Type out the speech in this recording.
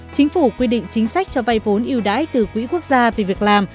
hai chính phủ quy định chính sách cho vay vốn ưu đãi từ quỹ quốc gia về việc làm